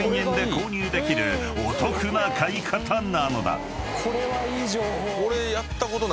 ［お得な買い方なのだ］